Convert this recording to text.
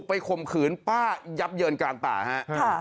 บูกมาคมขืนป้ายับเยินกลางป่าค่ะ